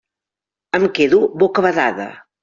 Em quedo bocabadada.